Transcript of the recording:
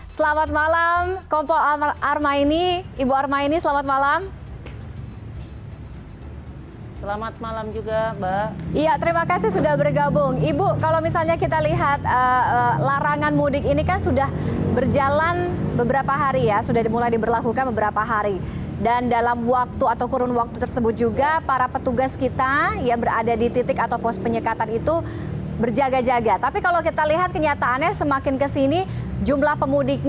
selamat malam kompol armaini ibu armaini selamat malam